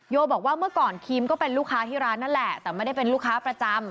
โยบอกว่าเมื่อก่อนครีมก็เป็นลูกค้าที่ร้านนั่นแหละแต่ไม่ได้เป็นลูกค้าประจำ